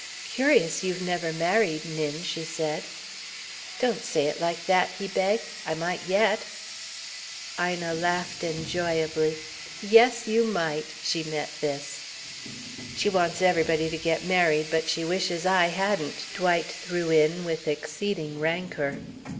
"Curious you've never married, Nin," she said. "Don't say it like that," he begged. "I might yet." Ina laughed enjoyably. "Yes, you might!" she met this. "She wants everybody to get married, but she wishes I hadn't," Dwight threw in with exceeding rancour.